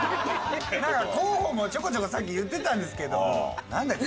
なんか候補もちょこちょこさっき言ってたんですけどなんだっけ？